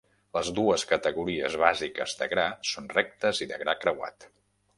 Les dues categories bàsiques de gra són rectes i de gra creuat.